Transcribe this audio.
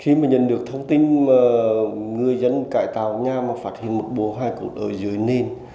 khi mà nhận được thông tin người dân cải tạo nga mà phát hiện một bộ hoa cụt ở dưới nền